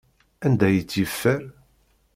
Anda ay tt-yeffer?